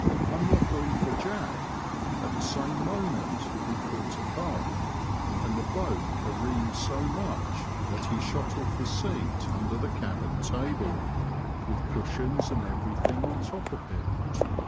Unluckily for Jack, at the same moment we caught a puff, and the boat careened so much that he shot off the seat under the cabin table, with cushions and everything on the top of him.